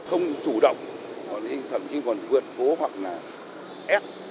không chủ động còn hình thẩm chứ còn vượt phố hoặc là ép